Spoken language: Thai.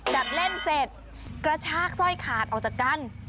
จัดเล่นเสร็จกระชากสร้อยขาดออกจากกัน